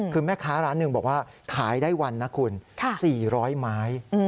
คือแม่ค้าร้านหนึ่งบอกว่าขายได้วันนะคุณ๔๐๐ไม้